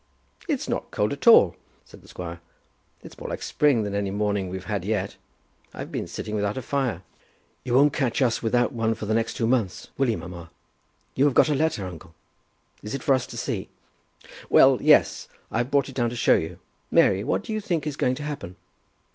"It's not cold at all," said the squire. "It's more like spring than any morning we've had yet. I've been sitting without a fire." "You won't catch us without one for the next two months; will he, mamma? You have got a letter, uncle. Is it for us to see?" "Well, yes; I've brought it down to show you. Mary, what do you think is going to happen?"